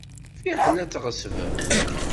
Fiḥel ad tɣeṣbem.